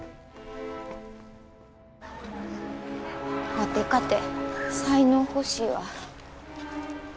ワテかて才能欲しいわ。